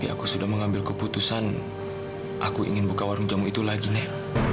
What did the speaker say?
aku sudah mengambil keputusan aku ingin buka warung jamu itu lagi nih